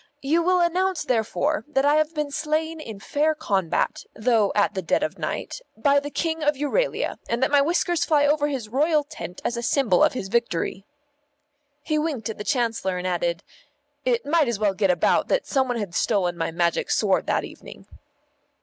You will announce therefore that I have been slain in fair combat, though at the dead of night, by the King of Euralia, and that my whiskers fly over his royal tent as a symbol of his victory." He winked at the Chancellor and added, "It might as well get about that some one had stolen my Magic Sword that evening."